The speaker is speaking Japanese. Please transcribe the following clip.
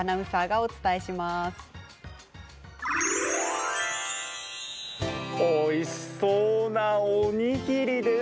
おいしそうなおにぎりです。